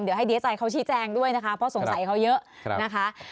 เดี๋ยวให้ดีใจเขาชี้แจงด้วยนะคะเพราะสงสัยเขาเยอะนะคะ